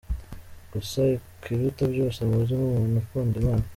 Gusa ikiruta byose muzi nk’umuntu ukunda Imana.